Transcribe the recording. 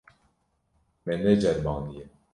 Me neceribandiye.